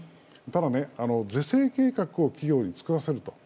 ただ是正計画を企業に作らせると。